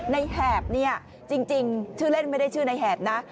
แหบเนี่ยจริงชื่อเล่นไม่ได้ชื่อในแหบนะ